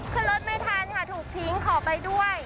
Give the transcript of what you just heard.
ขึ้นรถไม่ทันค่ะถูกทิ้งขอไปด้วย